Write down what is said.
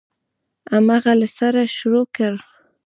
هغه له سره شروع کړ.